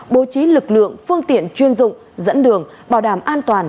bố trí lực lượng phương tiện chuyên dụng dẫn đường bảo đảm an toàn